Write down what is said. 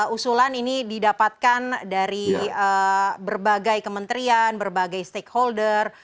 usulan ini didapatkan dari berbagai kementerian berbagai stakeholder